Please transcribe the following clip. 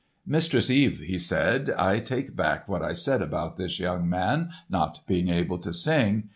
"Mistress Eve," he said, "I take back what I said about this young man not being able to sing.